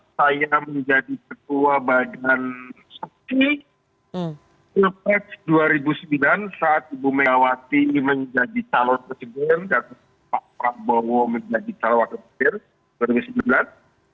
saya menjadi ketua badan dua ribu sembilan saat ibu megawati menjadi calon presiden dan pak prabowo menjadi calon wakil presiden dua ribu sembilan belas